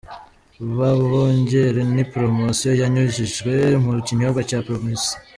'Babongere ' ni Promosiyo yanyujijwe mu kinyobwa cya Primus.